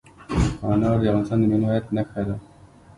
انار د افغانستان د ملي هویت نښه ده.